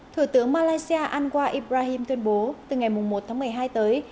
thủ tướng malaysia ango ibrahim tuyên bố từ ngày một tháng một mươi hai tới